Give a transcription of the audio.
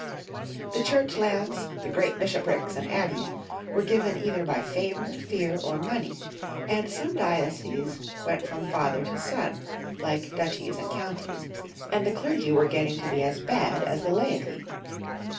The Church lands, the great bishoprics and abbeys, were given either by favor, fear, or money, and some dioceses went from father to son, like duchies and counties, and the clergy were getting to be as bad as the laity.